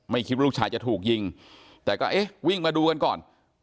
คิดว่าลูกชายจะถูกยิงแต่ก็เอ๊ะวิ่งมาดูกันก่อน